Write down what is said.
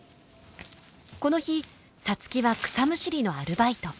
この日皐月は草むしりのアルバイト。